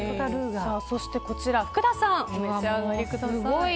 こちら福田さんお召し上がりください。